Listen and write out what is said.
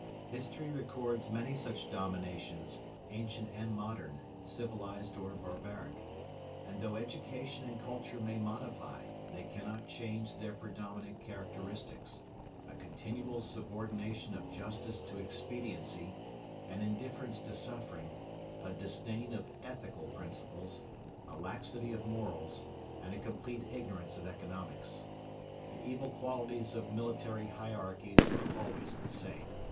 History records many such dominations, ancient and modern, civilised or barbaric; and though education and culture may modify, they cannot change their predominant characteristics a continual subordination of justice to expediency, an indifference to suffering, a disdain of ethical principles, a laxity of morals, and a complete ignorance of economics. The evil qualities of military hierarchies are always the same.